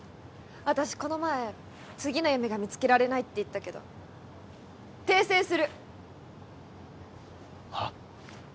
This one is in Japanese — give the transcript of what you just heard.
私この前次の夢が見つけられないって言ったけど訂正するはっ？